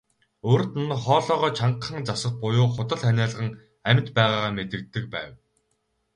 Урьд нь хоолойгоо чангахан засах буюу худал ханиалган амьд байгаагаа мэдэгддэг байв.